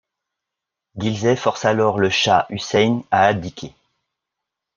Ghilzai force alors le shah Huseyin à abdiquer.